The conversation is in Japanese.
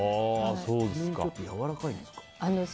七面鳥ってやわらかいんですか？